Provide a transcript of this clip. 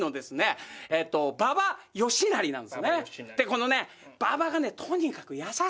このね馬場がねとにかく優しい。